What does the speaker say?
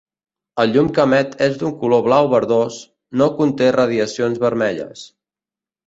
La llum que emet és d'un color blau verdós; no conté radiacions vermelles.